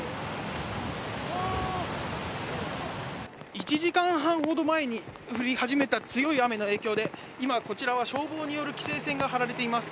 １時間半ほど前に降り始めた強い雨の影響で今、こちらは消防による規制線が張られています。